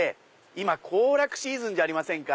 今行楽シーズンじゃありませんか。